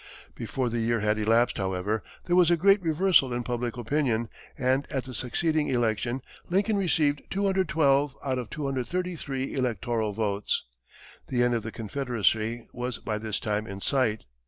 Before the year had elapsed, however, there was a great reversal in public opinion, and at the succeeding election, Lincoln received 212 out of 233 electoral votes. The end of the Confederacy was by this time in sight.